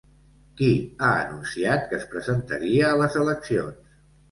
Qui ha anunciat que es presentaria a les eleccions?